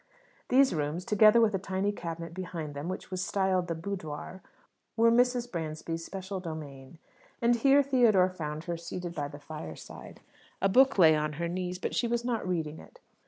These rooms, together with a tiny cabinet behind them, which was styled "The Boudoir," were Mrs. Bransby's special domain. And here Theodore found her seated by the fireside. A book lay on her knees; but she was not reading it.